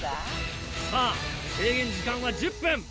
さぁ制限時間は１０分。